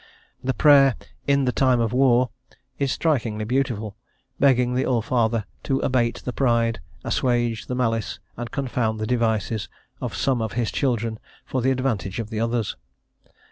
The prayer "in the time of war," is strikingly beautiful, begging the All Father to abate the pride, assuage the malice, and confound the devices of some of His children for the advantage of the others.